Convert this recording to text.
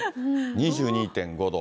２２．５度。